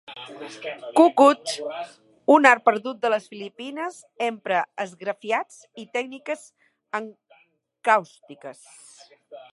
Kut-kut, un art perdut de les Filipines, empra esgrafiats i tècniques encàustiques.